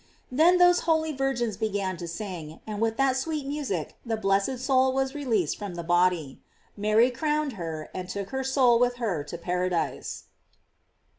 Then those holy virgins began to sing, and with that sweet music the blessed soul was released from the body. Mary crowned her, and took her soul with her to paradise.